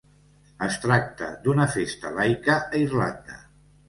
Es tracta d'una festa laica a Irlanda.